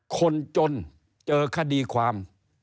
คนจนเจอคดีความ